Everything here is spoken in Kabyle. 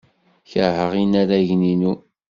Keṛheɣ inaragen-inu.